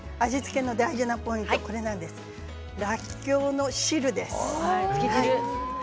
大事なポイントはらっきょうの汁です。